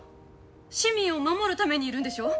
市民を守るためにいるんでしょ！